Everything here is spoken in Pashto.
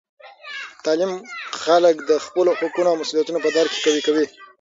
تعلیم خلک د خپلو حقونو او مسؤلیتونو په درک کې قوي کوي.